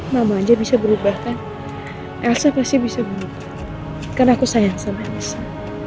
mama aja bisa berubah kan elsa pasti bisa berubah karena aku sayang sama elsa